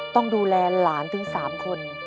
ต้องดูแลหลานถึง๓คน